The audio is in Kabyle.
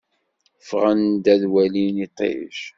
Ffɣen-d ad walin iṭij.